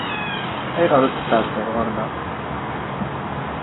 Ayɣer ur d-tettɛeddiḍ ɣer-neɣ?